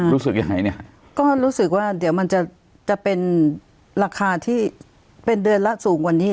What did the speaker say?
รู้สึกยังไงเนี่ยก็รู้สึกว่าเดี๋ยวมันจะจะเป็นราคาที่เป็นเดือนละสูงกว่านี้